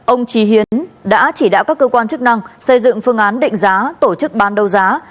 ông trí hiến đã chỉ đạo các cơ quan chức năng xây dựng phương án định giá tổ chức bán đấu giá